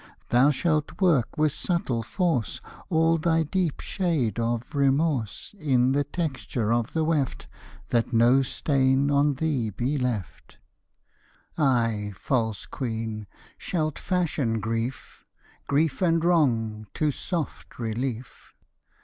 Thou shalt work with subtle force All thy deep shade of remorse In the texture of the weft, That no stain on thee be left; Ay, false queen, shalt fashion grief, Grief and wrong, to soft relief.